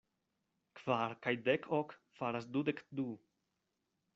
Kvar kaj dek ok faras dudek du.